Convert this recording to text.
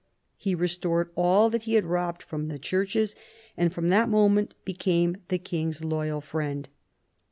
He restored all that he had robbed from the churches, and from that moment became the king's loyal friend.